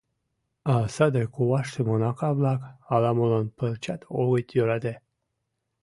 А саде коваштым уныка-влак ала-молан пырчат огыт йӧрате.